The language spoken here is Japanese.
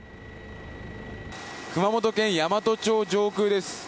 熊本県山都町上空です。